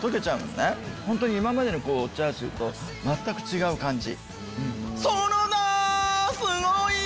今までのチャーシューと全く違う感じ。